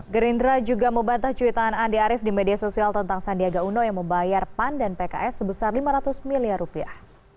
gerindra juga membantah cuitan andi arief di media sosial tentang sandiaga uno yang membayar pan dan pks sebesar lima ratus miliar rupiah